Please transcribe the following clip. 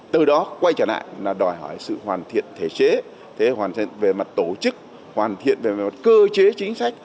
từ đó quay trở lại là đòi hỏi sự hoàn thiện thể chế hoàn thiện về mặt tổ chức hoàn thiện về mặt cơ chế chính sách